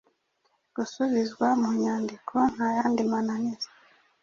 gusubizwa mu nyandiko nta yandi mananiza